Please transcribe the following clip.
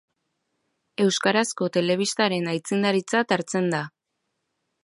Euskarazko telebistaren aitzindaritzat hartzen da.